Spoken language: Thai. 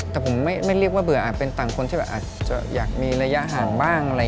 แต่ผมไม่เรียกว่าเบื่ออาจเป็นต่างคนที่แบบอาจจะอยากมีระยะห่างบ้างอะไร